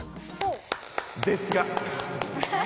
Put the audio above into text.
ですが。